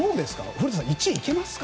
古田さん、１位いけますか？